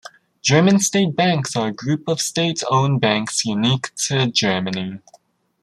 German state banks are a group of state owned banks unique to Germany.